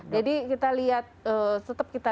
kita lihat tetap kita